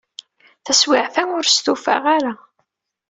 Taswiɛt-a, ur stufaɣ ara.